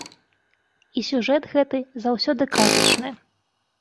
І сюжэт гэты заўсёды казачны.